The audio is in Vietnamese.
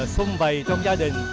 xung bày trong gia đình